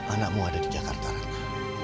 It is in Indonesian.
anakmu ada di jakarta raya